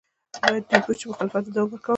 باید دوی پوه شي چې مخالفت ته دوام ورکول.